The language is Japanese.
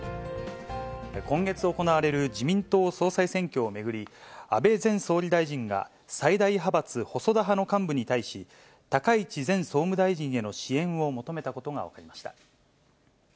今月行われる自民党総裁選挙を巡り、安倍前総理大臣が、最大派閥、細田派の幹部に対し、高市前総務大臣への支援を求めたことが分かりました。